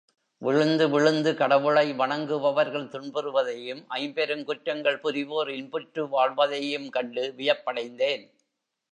விழுந்து விழுந்து கடவுளை வணங்குபவர்கள் துன்புறுவதையும் ஐம்பெருங்குற்றங்கள் புரிவோர் இன்புற்று வாழ்வதையும் கண்டு வியப்படைந்தேன்.